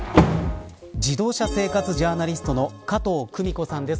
自動車生活ジャーナリストの加藤久美子さんです。